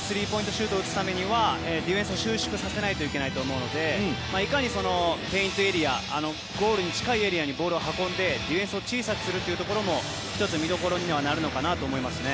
シュートを打つためにはディフェンスを収縮させないといけないと思うのでいかにフェイントエリアゴールに近いエリアにボールを運んでディフェンスを小さくするところも１つ見どころにはなるのかなと思いますね。